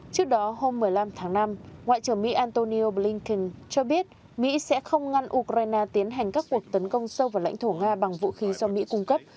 trước đó hôm một mươi năm tháng năm ngoại trưởng mỹ antonio blinken cho biết mỹ sẽ không ngăn ukraine tiến hành các cuộc tấn công sâu vào lãnh thổ nga bằng vũ khí do mỹ cung cấp